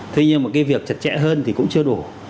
tuy nhiên mà cái việc chặt chẽ hơn thì cũng chưa đủ